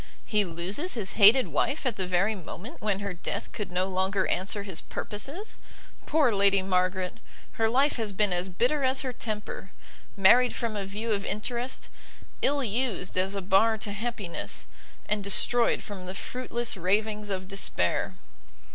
he loses his hated wife at the very moment when her death could no longer answer his purposes! Poor Lady Margaret! her life has been as bitter as her temper! married from a view of interest, ill used as a bar to happiness, and destroyed from the fruitless ravings of despair!"